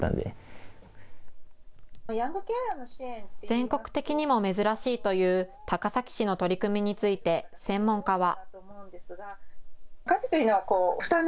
全国的にも珍しいという高崎市の取り組みについて専門家は。